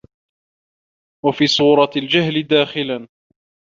وَفِي صُورَةِ الْجَهْلِ دَاخِلًا